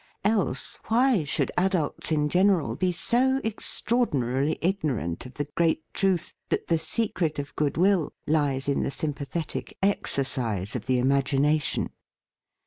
Else why should adults in general be so extraordinarily ignorant of the great truth that the se cret of goodwill lies in the sympathetic exercise of the imagination?